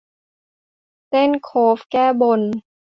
เต้นโคฟแก้บน